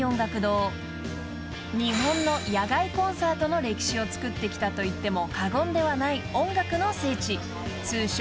［日本の野外コンサートの歴史をつくってきたと言っても過言ではない］